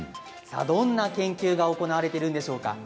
どんな研究が行われているんでしょうか。